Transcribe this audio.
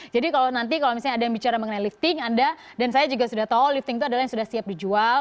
jadi kalau nanti misalnya ada yang bicara mengenai lifting anda dan saya juga sudah tahu lifting itu adalah yang sudah siap dijual